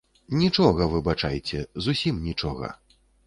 Нічога, выбачайце, зусім нічога.